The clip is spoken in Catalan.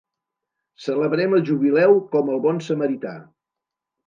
Celebrem el jubileu com el bon samarità.